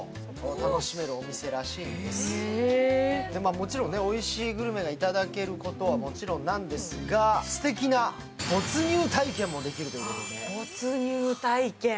もちろんね、おいしいグルメがいいだけるんですが、すてきな没入体験もできるということで。